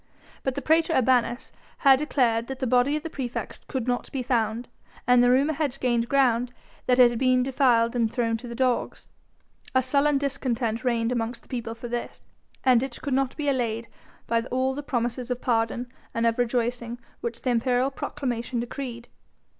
But the praetor urbanus had declared that the body of the praefect could not be found, and the rumour had gained ground that it had been defiled and thrown to the dogs. A sullen discontent reigned amongst the people for this, and it could not be allayed by all the promises of pardon and of rejoicings which the imperial proclamation decreed.